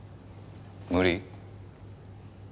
無理？